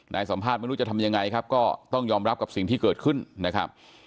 สัมภาษณ์ไม่รู้จะทำยังไงครับก็ต้องยอมรับกับสิ่งที่เกิดขึ้นนะครับ